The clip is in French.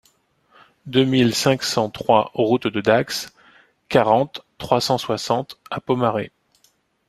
deux mille cinq cent trois route de Dax, quarante, trois cent soixante à Pomarez